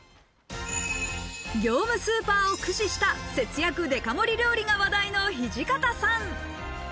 業務スーパーを駆使した節約デカ盛り料理が話題の土方さん。